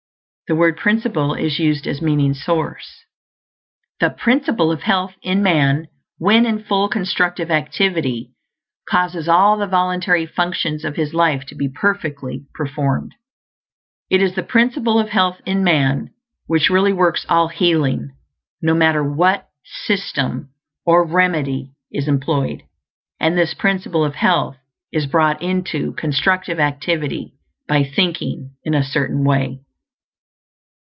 (The word Principle is used as meaning source.) The Principle of Health in man, when in full constructive activity, causes all the voluntary functions of his life to be perfectly performed. It is the Principle of Health in man which really works all healing, no matter what "system" or "remedy" is employed; and this Principle of Health is brought into Constructive Activity by thinking in a Certain Way.